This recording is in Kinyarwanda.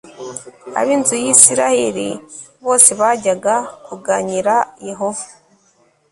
ab inzu ya isirayeli bose bajyaga kuganyira yehova